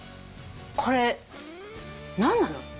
これ何なの？